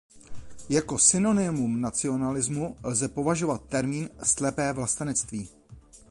Jako synonymum nacionalismu lze považovat termín „slepé vlastenectví“.